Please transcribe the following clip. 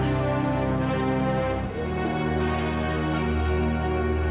tiap kali atau tukar tangan kamu